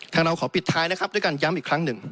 เราขอปิดท้ายนะครับด้วยการย้ำอีกครั้งหนึ่ง